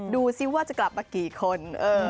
ดูสิว่าจะกลับมากี่คน